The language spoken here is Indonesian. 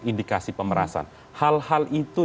indikasi pemerasan hal hal itu